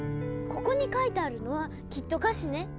ここに書いてあるのはきっと歌詞ね！